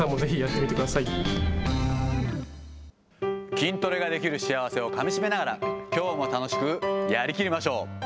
筋トレができる幸せをかみしめながら、きょうも楽しくやり切りましょう。